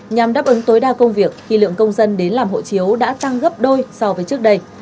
nhằm đáp ứng tối đa công việc khi lượng công dân đến làm hộ chiếu đã tăng gấp đôi so với trước đây